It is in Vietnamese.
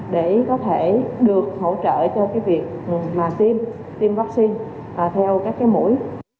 để có thể được hỗ trợ cho việc tiêm vaccine theo các mũi